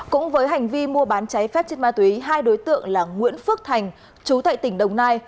cũng với hành vi mua bán cháy phép chất ma túy hai đối tượng là nguyễn phước thành chú tại tỉnh đồng nai